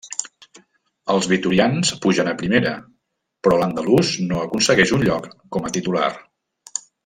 Els vitorians pugen a Primera, però l'andalús no aconsegueix un lloc com a titular.